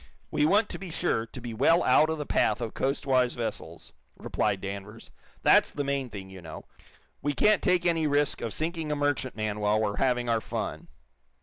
"We want to be sure to be well out of the path of coastwise vessels," replied Danvers. "That's the main thing, you know. We can't take any risk of sinking a merchantman while we're having our fun."